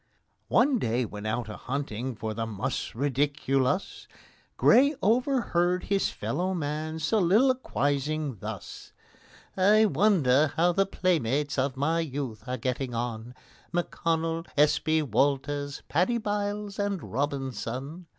One day, when out a hunting for the mus ridiculus, GRAY overheard his fellow man soliloquizing thus: "I wonder how the playmates of my youth are getting on, M'CONNELL, S. B. WALTERS, PADDY BYLES, and ROBINSON?"